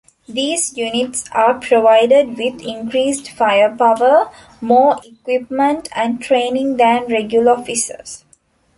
These units are provided with increased firepower, more equipment and training than regular officers.